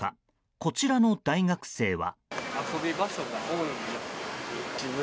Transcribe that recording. こちらの大学生は？